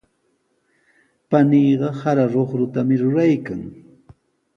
Paniiqa sara luqrutami ruraykan.